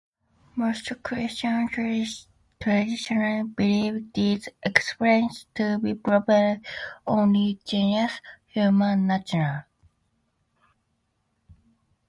Most Christians traditionally believed these experiences to be proper only to Jesus' human nature.